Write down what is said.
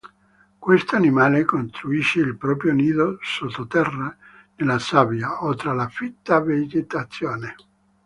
Questo animale costruisce il proprio nido sottoterra nella sabbia o tra la fitta vegetazione.